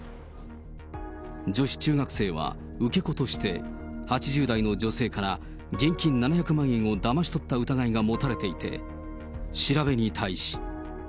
女子中学生は受け子として８０代の女性から現金７００万円をだまし取った疑いが持たれていて、調べに対し。